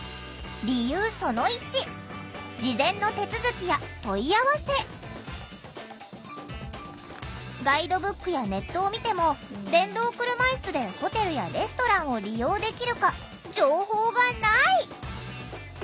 実はあずみんたちはこれまでガイドブックやネットを見ても電動車いすでホテルやレストランを利用できるか情報がない！